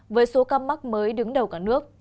với số ca mắc mới đứng đầu cả nước